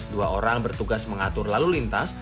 dua orang bertugas mengatur lalu lintas